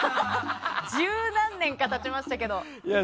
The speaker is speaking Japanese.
十何年か経ちましたけど。